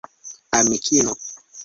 amikino